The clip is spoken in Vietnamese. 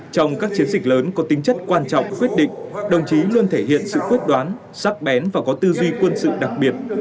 trong các chiến dịch lớn có tính chất quan trọng quyết định đồng chí luôn thể hiện sự quyết đoán sắc bén và có tư duy quân sự đặc biệt